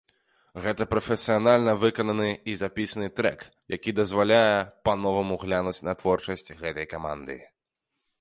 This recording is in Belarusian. Гэта прафесіянальна выкананы і запісаны трэк, які дазваляе па-новаму глянуць на творчасць гэтай каманды.